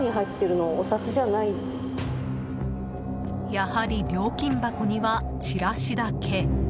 やはり料金箱には、チラシだけ。